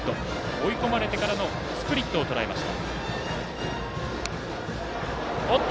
追い込まれてからのスプリットをとらえました。